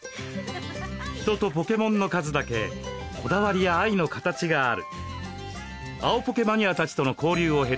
人とポケモンの数だけこだわりや愛の形がある。